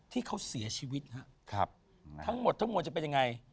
ที่เขาเสียชีวิตครับทั้งหมดทั้งมวลจะเป็นยังไง